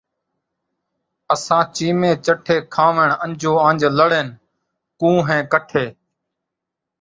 اساں چیمے چٹھے، کھاوݨ انجوانج لڑݨ کوں ہیں کٹھے